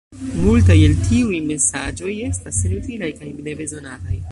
Multaj el tiuj mesaĝoj estas senutilaj kaj nebezonataj.